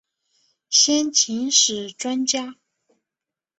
先秦史专家。